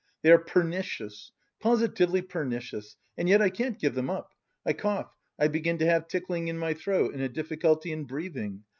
"They are pernicious, positively pernicious, and yet I can't give them up! I cough, I begin to have tickling in my throat and a difficulty in breathing.